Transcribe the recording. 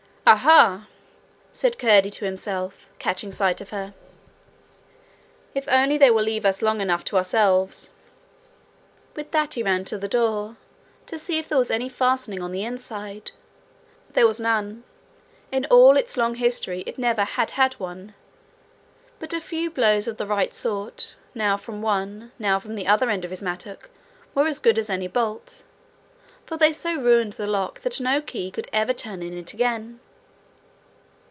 'Ah, ha!' said Curdie to himself, catching sight of her, 'if only they will leave us long enough to ourselves!' With that he ran to the door, to see if there was any fastening on the inside. There was none: in all its long history it never had had one. But a few blows of the right sort, now from the one, now from the other end of his mattock, were as good as any bolt, for they so ruined the lock that no key could ever turn in it again.